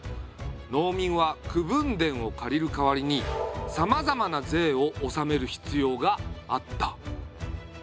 農民は口分田を借りる代わりにさまざまな税を納める必要があった。